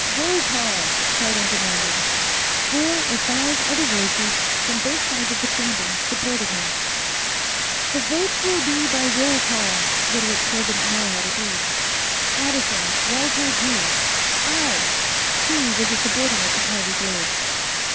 "Roll call!" Cardon demanded. Four or five other voices, from both sides of the chamber, supported him. "The vote will be by roll call," Literate President Morehead agreed. "Addison, Walter G." "Aye!" He was a subordinate of Harvey Graves.